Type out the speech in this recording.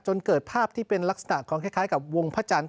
เกิดภาพที่เป็นลักษณะของคล้ายกับวงพระจันทร์